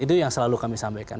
itu yang selalu kami sampaikan